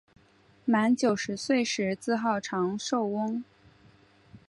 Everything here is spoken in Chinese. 满九十岁时自号长寿翁。